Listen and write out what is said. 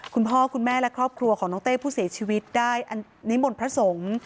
คุณพ่อคุณแม่และครอบครัวของน้องเต้ผู้เสียชีวิตได้นิมนต์พระสงฆ์